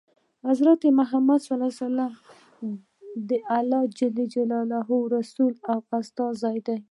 حضرت محمد ﷺ د الله ﷻ رسول او استازی دی.